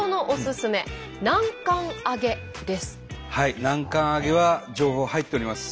南関あげは情報入っております。